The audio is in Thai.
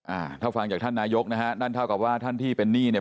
อ่าถ้าฟังจากท่านนายกนะฮะนั่นเท่ากับว่าท่านที่เป็นหนี้เนี่ย